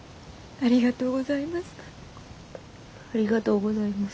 ありがとうございます。